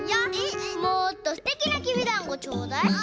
もっとすてきなきびだんごちょうだい！